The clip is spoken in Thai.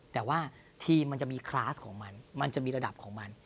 แต่ว่าทีมมันจะมีคลาสของมันมันจะมีระดับของมัน